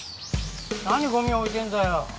なにゴミ置いてんだよ。